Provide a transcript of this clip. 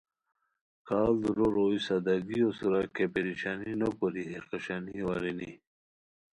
کھاڑ دُورو روئے سادگیو سورا کیہ پریشانی نوکوری ہے خوشانیو ارینی